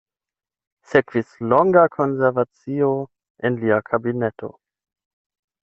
Sekvis longa konversacio en lia kabineto.